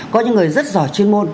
có những người rất giỏi chuyên môn